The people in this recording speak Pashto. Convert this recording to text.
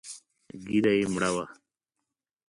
ږيره يې مړه وه.